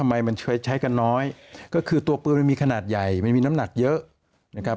ทำไมมันใช้ใช้กันน้อยก็คือตัวปืนมันมีขนาดใหญ่มันมีน้ำหนักเยอะนะครับ